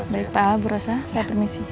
baik pak abu rosa saya permisi